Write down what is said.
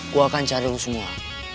gue akan cari lu semua